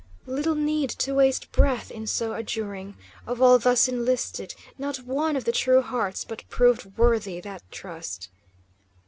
Little need to waste breath in so adjuring. Of all thus enlisted, not one of the true hearts but proved worthy the trust.